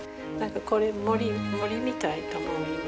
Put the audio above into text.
これ森みたいと思う今。